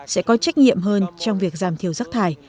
sẽ có trách nhiệm hơn trong việc giảm thiểu rác thải